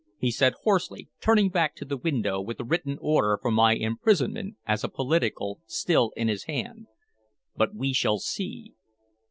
he said hoarsely, turning back to the window with the written order for my imprisonment as a political still in his hand. "But we shall see."